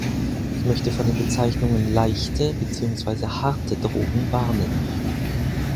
Ich möchte vor den Bezeichnungen ‚leichte‘ beziehungsweise ‚harte‘ Drogen warnen.